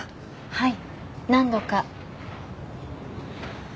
はい。